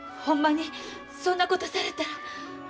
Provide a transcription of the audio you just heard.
ほんまにそんなことされたら。